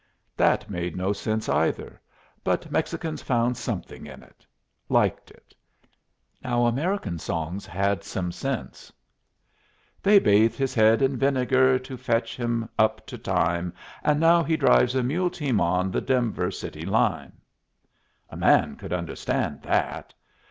That made no sense either; but Mexicans found something in it. Liked it. Now American songs had some sense: "They bathed his head in vinegar To fetch him up to time, And now he drives a mule team on The Denver City line." A man could understand that.